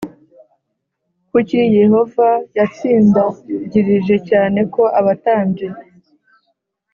Kuki yehova yatsindagirije cyane ko abatambyi